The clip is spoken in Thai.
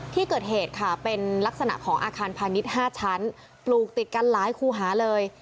ที่เกิดเหตุค่ะเป็นลักษณะของอาคารพาณิชย์๕ชั้นปลูกติดกันหลายคู่หาเลย